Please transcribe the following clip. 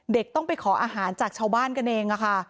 ต้องไปขออาหารจากชาวบ้านกันเองค่ะ